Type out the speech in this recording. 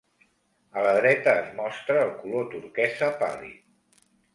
A la dreta es mostra el color turquesa pàl·lid.